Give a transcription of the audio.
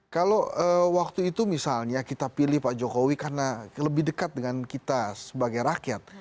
kalau waktu itu misalnya kita pilih pak jokowi karena lebih dekat dengan kita sebagai rakyat